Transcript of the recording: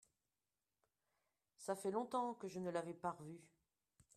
ça fait longtemps que je ne l'avais par vu.